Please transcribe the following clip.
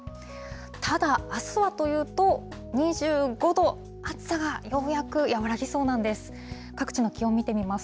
ただ、あすはというと、２５度、暑さがようやく和らぎそうなんです。